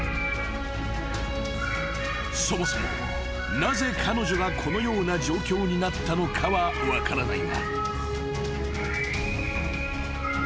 ［そもそもなぜ彼女がこのような状況になったのかは分からないが］